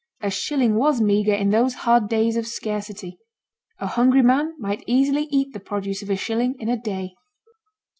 A shilling was meagre in those hard days of scarcity. A hungry man might easily eat the produce of a shilling in a day.